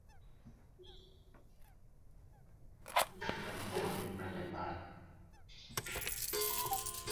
Nishike mkononi twende mbali